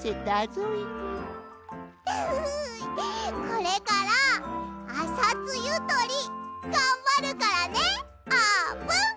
これからあさつゆとりがんばるからねあーぷん！